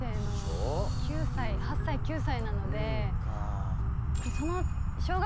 ９歳８歳９歳なので。